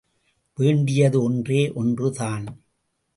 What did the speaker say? வேண்டியது ஒன்றே ஒன்று தான்.